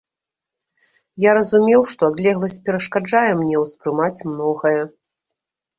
Я разумеў, што адлегласць перашкаджае мне ўспрымаць многае.